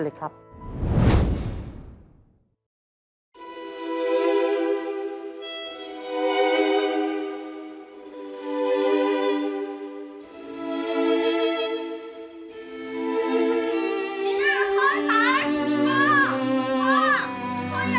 โปรดติดตามตอนต่อไป